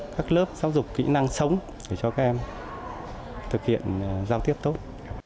các lớp giáo dục kỹ năng sống để cho các em thực hiện giao tiếp tốt